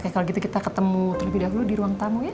kalau gitu kita ketemu terlebih dahulu di ruang tamu ya